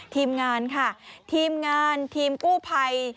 ทีมงานค่ะทีมงานทีมกู้ภัย